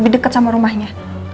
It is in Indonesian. deket sama rumahnya